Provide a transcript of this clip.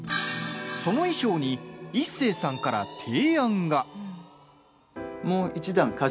その衣装に、一生さんから提案が。